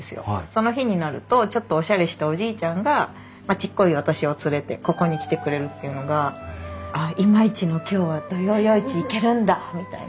その日になるとちょっとおしゃれしたおじいちゃんがちっこい私を連れてここに来てくれるっていうのが「ああ今日は土曜夜市行けるんだ」みたいな。